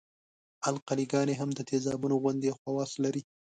القلي ګانې هم د تیزابونو غوندې خواص لري.